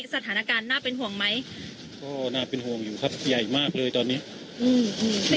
สถานการณ์น่าเป็นห่วงไหมก็น่าเป็นห่วงอยู่ครับใหญ่มากเลยตอนเนี้ยอืม